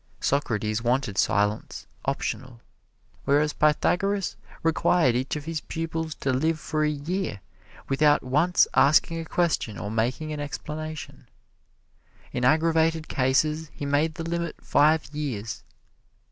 Socrates wanted silence optional; whereas Pythagoras required each of his pupils to live for a year without once asking a question or making an explanation. In aggravated cases he made the limit five years.